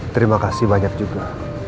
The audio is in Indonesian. terima kasih banyak juga